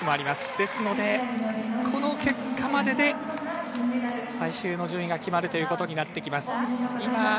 ですので、この結果までで最終の順位が決まることになってきます。